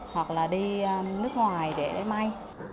hoặc là đi nước ngoài để may